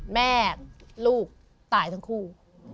แม่ลูกตายทั้งคู่